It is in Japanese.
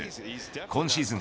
今シーズン